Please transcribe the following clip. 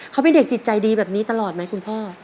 เขาเป็นเด็กจิตใจดีแบบนี้ตลอดไหมคุณพ่อ